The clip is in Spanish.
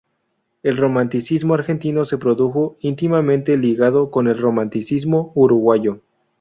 El romanticismo argentino se produjo íntimamente ligado con el romanticismo uruguayo.